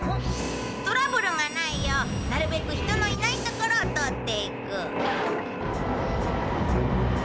トラブルがないようなるべく人のいないところを通っていく。